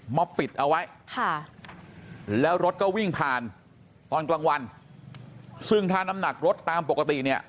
มาปิดเอาไว้ค่ะแล้วรถก็วิ่งผ่านตอนกลางวันซึ่งถ้าน้ำหนักรถตามปกติเนี่ย